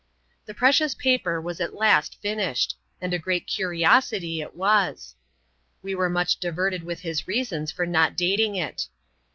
The precious paper was at last finished; and a great curiosily it was. We were much diverted with his reasons for not dating it.